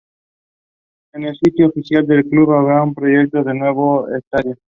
En el sitio oficial del club se habla de un proyecto de "nuevo estadio".